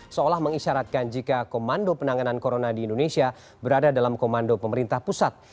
seolah mengisyaratkan jika komando penanganan corona di indonesia berada dalam komando pemerintah pusat